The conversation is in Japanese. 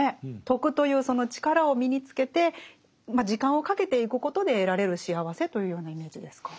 徳というその力を身につけて時間をかけていくことで得られる幸せというようなイメージですか？